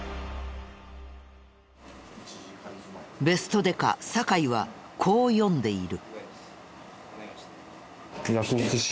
ベストデカ酒井はこう読んでいる。